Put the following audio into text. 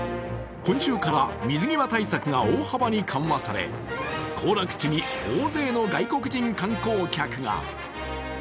今週から水際対策が大幅に緩和され、行楽地に大勢の外国人観光客が。